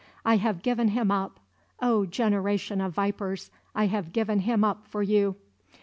I have given him up; oh, generation of vipers, I have given him up for you!